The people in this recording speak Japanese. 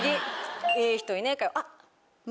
いい人いねえかよ。